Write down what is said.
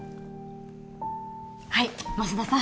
はい舛田さん